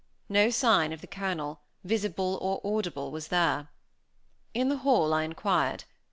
No sign of the Colonel, visible or audible, was there. In the hall I inquired.